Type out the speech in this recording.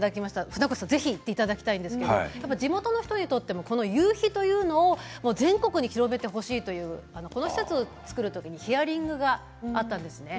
船越さんにもぜひ行ってもらいたいんですが地元の方にとってもこの夕日を全国に広めてほしいとこの施設を造る時にヒアリングがあったんですね。